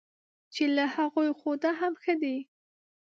چې له هغوی خو دا هم ښه دی.